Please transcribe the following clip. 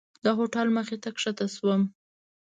د هوټل مخې ته ښکته شوم.